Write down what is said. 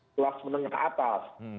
kelas menengah ke atas